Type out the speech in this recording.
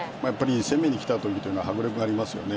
攻めに来たときというのは迫力がありますよね。